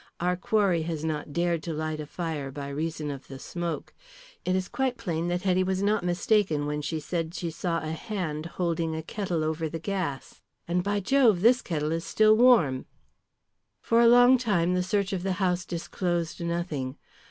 Our quarry has not dared to light a fire by reason of the smoke. It is quite plain that Hetty was not mistaken when she said she saw a hand holding a kettle over the gas. And, by Jove, this kettle is warm still!" For a long time a search of the house disclosed nothing.